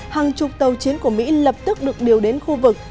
hàng chục tàu chiến của mỹ lập tức được điều đến khu vực